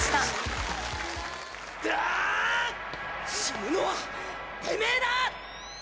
「死ぬのはてめえだ！」